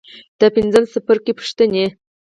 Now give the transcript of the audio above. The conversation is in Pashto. د پنځم څپرکي پوښتنې.